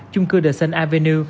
chung cư the sun avenue